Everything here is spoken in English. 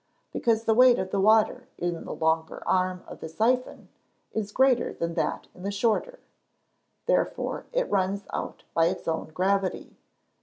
_ Because the weight of the water in the longer arm of the syphon is greater than that in the shorter; therefore it runs out by its own gravity.